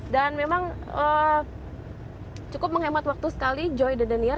dan memang cukup menghemat waktu sekali joy dan danier